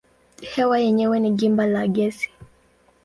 Hewa yenyewe ni gimba la gesi.